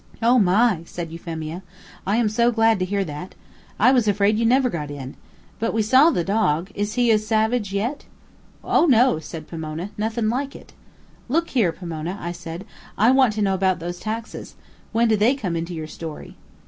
"Oh, my!" said Euphemia, "I am so glad to hear that. I was afraid you never got in. But we saw the dog is he as savage yet?" "Oh no!" said Pomona; "nothin' like it." "Look here, Pomona," said I, "I want to know about those taxes. When do they come into your story?"